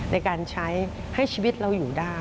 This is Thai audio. ในการใช้ให้ชีวิตเราอยู่ได้